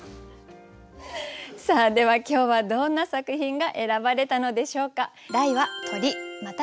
では今日はどんな作品が選ばれたのでしょうか。